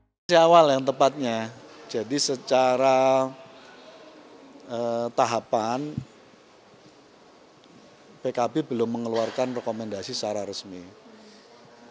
pertimbangkan mas andis kalau maju lagi di dalam pilkub